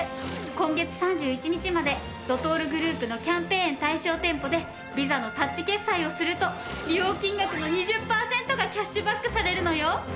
今月３１日までドトールグループのキャンペーン対象店舗でＶｉｓａのタッチ決済をすると利用金額の２０パーセントがキャッシュバックされるのよ。